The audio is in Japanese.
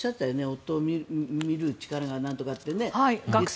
夫を見る力がなんとかって。